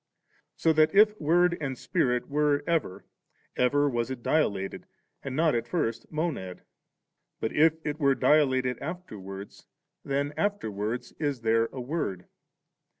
So that iT Word and Spirit were ever, ever was it dilated, and not at first a Monad ; but if it were dilated after wards, then afteiwards is there a Word.